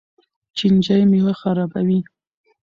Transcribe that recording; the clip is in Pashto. چینجي میوه خرابوي.